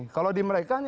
kalau di mereka agak rumit